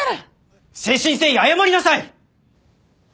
誠心誠意謝りなさい！